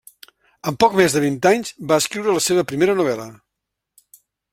Amb poc més de vint anys, va escriure la seva primera novel·la.